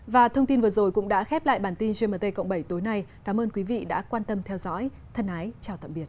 và thông tin vừa rồi cũng đã khép lại bản tin gmt cộng bảy tối nay cảm ơn quý vị đã quan tâm theo dõi thân ái chào tạm biệt